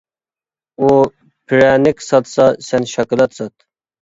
ئۇ پىرەنىك ساتسا سەن شاكىلات سات!